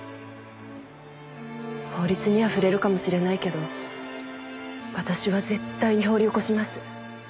法律には触れるかもしれないけど私は絶対に掘り起こします。